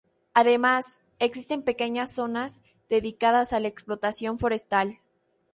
Además, existen pequeñas zonas dedicadas a la explotación forestal.